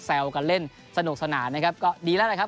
กันเล่นสนุกสนานนะครับก็ดีแล้วนะครับ